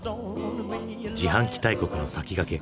自販機大国の先駆け。